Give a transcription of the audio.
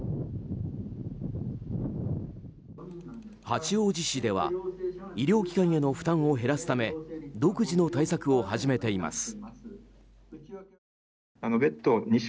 八王子市では医療機関への負担を減らすため独自の対策を始めています。